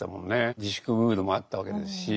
自粛ムードもあったわけですし。